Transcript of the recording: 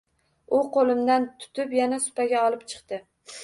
U qo‘limdan tutib yana supaga olib chiqdi.